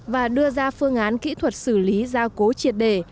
và đưa ra phương án kỹ thuật xử lý gia cố triệt đề